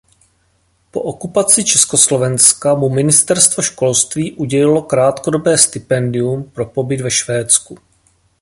Po okupaci Československa mu ministerstvo školství udělilo krátkodobé stipendium pro pobyt ve Švédsku.